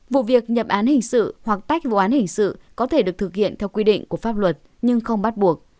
vụ việc nhập án hình sự hoặc tách vụ án hình sự có thể được thực hiện theo quy định của pháp luật nhưng không bắt buộc